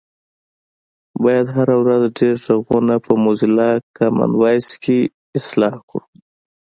باید هره ورځ ډېر غږونه په موزیلا کامن وایس کې اضافه کړو